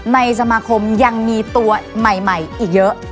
ในสมาคมยังมีตัวใหม่อีกเยอะ